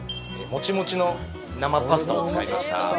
モチモチの生パスタを使いました